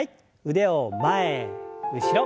腕を前後ろ。